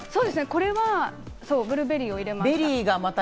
これはブルーベリーを入れました。